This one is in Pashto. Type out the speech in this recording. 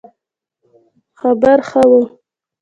خبر ښه وو